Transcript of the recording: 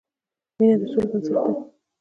مینه د سولې بنسټ ده.